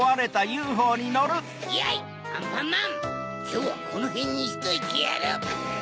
きょうはこのへんにしといてやる！